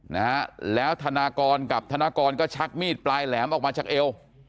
ทานากรกับทานากรก็ชักมีดปลายแหลมออกมาจากเอล